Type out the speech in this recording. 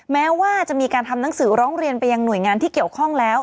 แม้ว่าจะมีการทำหนังสือร้องเรียนไปยังหน่วยงานที่เกี่ยวข้องแล้ว